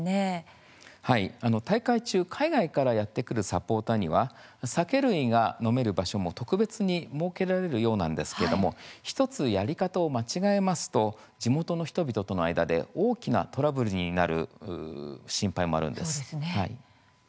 大会中、海外からやって来るサポーターには酒類が飲める場所も特別に設けられるようなんですけれども１つ、やり方を間違えますと地元の人々との間で大きなトラブルになる心配もあるんです。